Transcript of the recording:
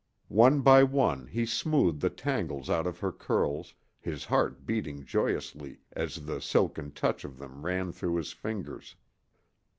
One by one he smoothed the tangles out of her curls, his heart beating joyously as the silken touch of them ran through his fingers.